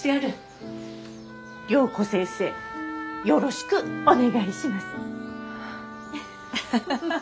良子先生よろしくお願いします。